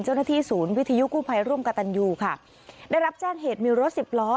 เจ้าหน้าที่ศูนย์วิทยุกู้ภัยร่วมกับตันยูค่ะได้รับแจ้งเหตุมีรถสิบล้อ